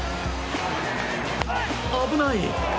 危ない！